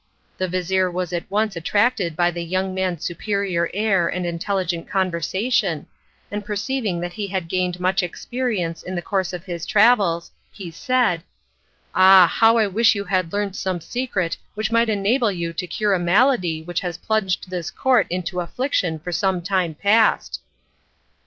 The vizir was at once attracted by the young man's superior air and intelligent conversation, and perceiving that he had gained much experience in the course of his travels, he said, "Ah, how I wish you had learnt some secret which might enable you to cure a malady which has plunged this court into affliction for some time past!"